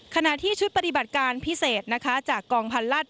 ขณะที่ชุดปฏิบัติการพิเศษนะคะจากกองพันลัด